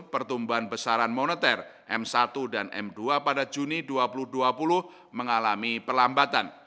pertumbuhan besaran moneter m satu dan m dua pada juni dua ribu dua puluh mengalami perlambatan